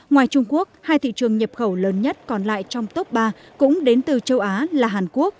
ngoài trung quốc hai thị trường nhập khẩu lớn nhất còn lại trong tốc ba cũng đến từ châu á là hàn quốc